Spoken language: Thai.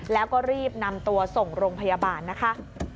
แล้วก็รีบนำตัวส่งโรงพยาบาลนะคะ